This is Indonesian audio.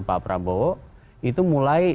pak prabowo itu mulai